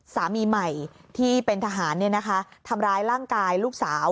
สามีใหม่ที่เป็นทหารทำร้ายร่างกายลูกสาว